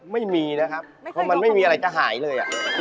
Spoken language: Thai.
ไม่มีนะครับเพราะมันไม่มีอะไรจะหายเลย